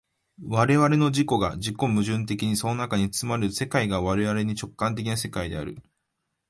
我々の自己が自己矛盾的にその中に包まれる世界が我々に直観的な世界である。